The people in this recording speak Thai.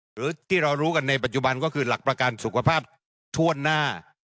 หรือที่เรารู้กันในปัจจุบันก็คือหลักประกันสุขภาพทั่วหน้า